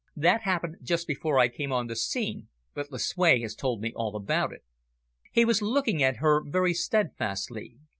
That happened just before I came on the scene, but Lucue has told me all about it." He was looking at her very steadfastly.